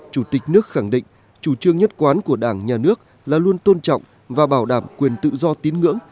chủ tịch nước khẳng định chủ trương nhất quán của đảng nhà nước là luôn tôn trọng và bảo đảm quyền tự do tín ngưỡng